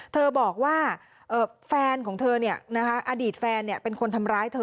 เธอบอกว่าแฟนของเธออดีตแฟนเป็นคนทำร้ายเธอ